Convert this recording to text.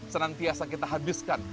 senantiasa kita habiskan